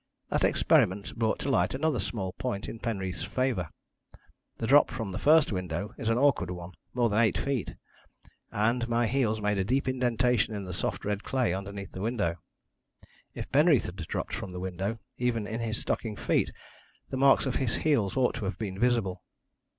That experiment brought to light another small point in Penreath's favour. The drop from the first window is an awkward one more than eight feet and my heels made a deep indentation in the soft red clay underneath the window. If Penreath had dropped from the window, even in his stocking feet, the marks of his heels ought to have been visible.